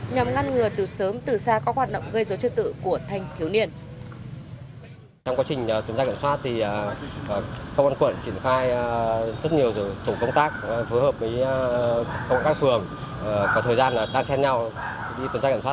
nhằm ngăn ngừa từ sớm từ xa các hoạt động gây dối trật tự của thanh thiếu niên